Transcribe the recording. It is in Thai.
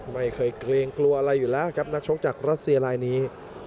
ไม่เคยเกรงกลัวอะไรอยู่แล้วครับนักชกจากรัสเซียลายนี้